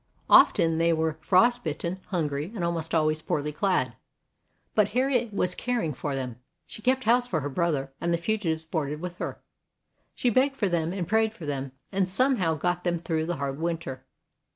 Often they were frost bitten, hungry, and almost always poorly clad. But Harriet was caring for them. She kept house for her brother, and the fugitives boarded with her. She begged for them and prayed for them, and some how got them through the hard winter.